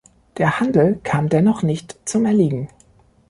Der Handel kam dennoch nicht zum Erliegen.